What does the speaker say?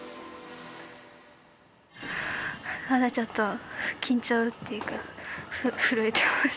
まだちょっと緊張っていうか震えてます